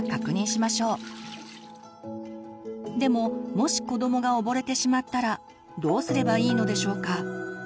でももし子どもが溺れてしまったらどうすればいいのでしょうか？